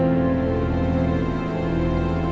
malin jangan lupa